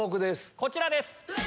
こちらです！